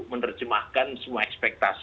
menerjemahkan semua ekspektasi